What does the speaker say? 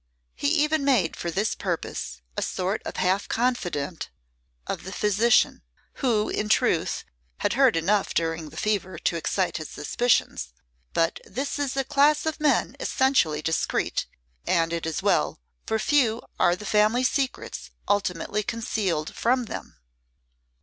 He even made for this purpose a sort of half confidant of the physician, who, in truth, had heard enough during the fever to excite his suspicions; but this is a class of men essentially discreet, and it is well, for few are the family secrets ultimately concealed from them.